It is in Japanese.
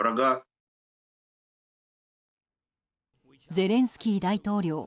ゼレンスキー大統領